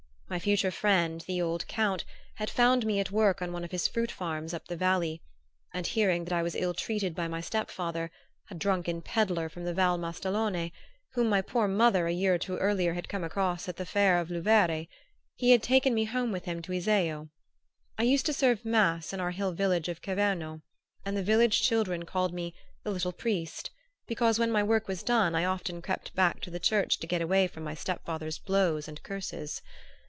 My future friend, the old Count, had found me at work on one of his fruit farms up the valley, and hearing that I was ill treated by my step father a drunken pedlar from the Val Mastellone, whom my poor mother a year or two earlier had come across at the fair of Lovere he had taken me home with him to Iseo. I used to serve mass in our hill village of Cerveno, and the village children called me "the little priest" because when my work was done I often crept back to the church to get away from my step father's blows and curses.